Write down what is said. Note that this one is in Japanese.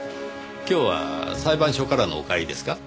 今日は裁判所からの帰りですか？